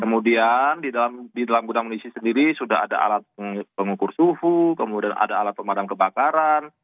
kemudian di dalam gudang misi sendiri sudah ada alat pengukur suhu kemudian ada alat pemadam kebakaran